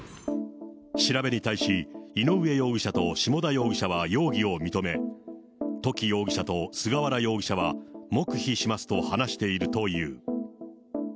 調べに対し、井上容疑者と下田容疑者は容疑を認め、土岐容疑者と菅原容疑者は、黙秘しますと話しているという。